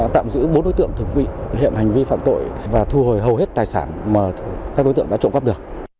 tạm giữ bốn đối tượng thực vị hiện hành vi phạm tội và thu hồi hầu hết tài sản mà các đối tượng đã trộm cắp được